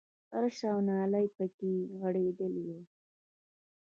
فرش او نالۍ پکې غړېدلې وې.